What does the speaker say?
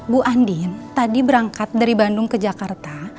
bu andin tadi berangkat dari bandung ke jakarta